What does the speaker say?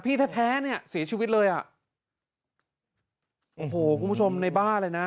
แท้แท้เนี่ยเสียชีวิตเลยอ่ะโอ้โหคุณผู้ชมในบ้านเลยนะ